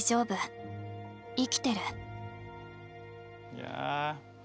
いや。